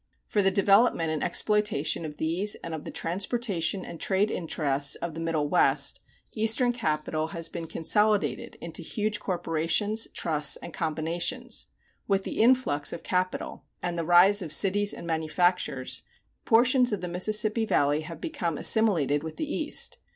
For the development and exploitation of these and of the transportation and trade interests of the Middle West, Eastern capital has been consolidated into huge corporations, trusts, and combinations. With the influx of capital, and the rise of cities and manufactures, portions of the Mississippi Valley have become assimilated with the East.